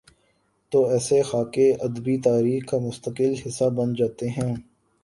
توایسے خاکے ادبی تاریخ کا مستقل حصہ بن جا تے ہیں۔